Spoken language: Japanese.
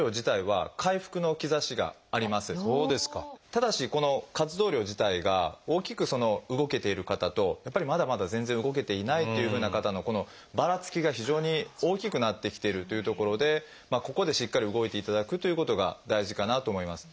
ただしこの活動量自体が大きく動けている方とやっぱりまだまだ全然動けていないというふうな方のこのばらつきが非常に大きくなってきているというところでここでしっかり動いていただくということが大事かなと思います。